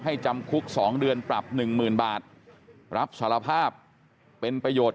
ให้จำคุกสองเดือนปรับหนึ่งหมื่นบาทรับสารภาพเป็นประโยชน์